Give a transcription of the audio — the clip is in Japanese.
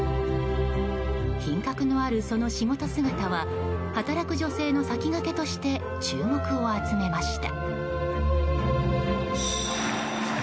品格のあるその仕事姿は働く女性の先駆けとして注目を集めました。